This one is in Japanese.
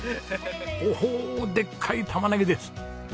おーでっかいタマネギです！